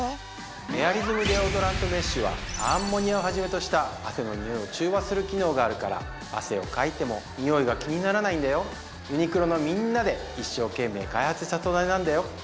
エアリズムデオドラントメッシュはアンモニアをはじめとした汗のにおいを中和する機能があるから汗をかいてもにおいが気にならないんだよユニクロのみんなで一生懸命開発した素材なんだよ